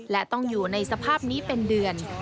และต้องอยู่ในสภาพนี้เป็นเดือน